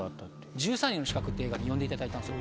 『十三人の刺客』っていう映画に呼んでいただいたんですよ。